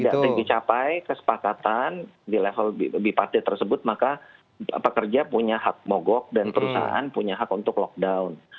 tidak dicapai kesepakatan di level biparte tersebut maka pekerja punya hak mogok dan perusahaan punya hak untuk lockdown